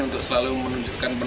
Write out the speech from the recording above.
untuk selalu menunjukkan penampilan